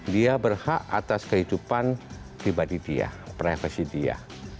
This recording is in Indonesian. dia berhak atas kehidupan pribadi dia profesi dia